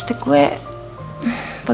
sekarang mereka curh